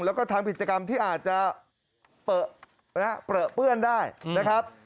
แล้วก็ทำกิจกรรมที่อาจจะเปลือเปื้อนได้นะครับ